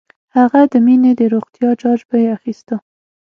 هغه د مينې د روغتيا جاج به یې اخيسته